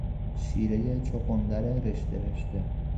شیرهی چغندر رشته رشته